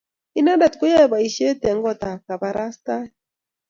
Inendet koyae boishei eng kot ab kabarastaet